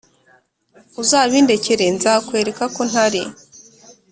uzabindekere nzakwereka ko ntari